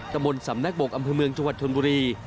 ตะบนสำนักบกอำเภอเมืองจังหวัดชนบุรี